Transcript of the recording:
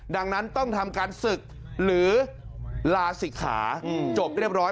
ดังนั้นต้องทำการศึกหรือลาศิกขาจบเรียบร้อย